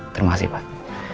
terima kasih pak